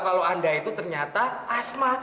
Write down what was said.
kalau anda itu ternyata asma